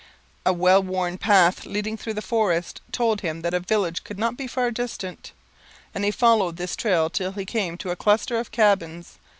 A well worn path leading through the forest told him that a village could not be far distant, and he followed this trail till he came to a cluster of cabins.